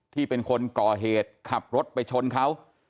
ที่เป็นคนก่อเหตุขับรถไปชนเขา